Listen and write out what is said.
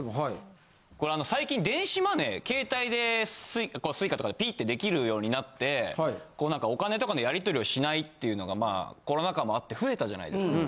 これあの最近電子マネー携帯でＳｕｉｃａとかピッて出来るようになってこうなんかお金とかのやり取りをしないっていうのがまあコロナ禍もあって増えたじゃないですか。